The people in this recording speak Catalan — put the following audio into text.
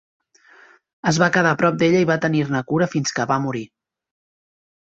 Es va quedar a prop d'ella i va tenir-ne cura fins que va morir.